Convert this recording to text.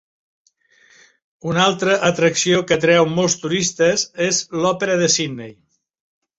Una altra atracció que atreu molts turistes és l'Òpera de Sydney.